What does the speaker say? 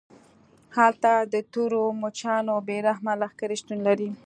هلته د تورو مچانو بې رحمه لښکرې شتون لري